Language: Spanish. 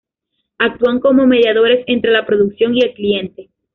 Actúan como mediadores entre la producción y el cliente.